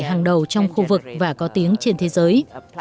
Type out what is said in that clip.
hàng đầu trong khu vực và có tiếng trên thế giới